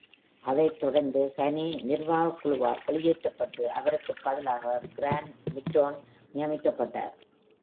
அதைத் தொடர்ந்து Hanni நிர்வாகக் குழுவால் வெளியேற்றப்பட்டு அவருக்குப் பதிலாக Grant Mitton நியமிக்கப்பட்டார்.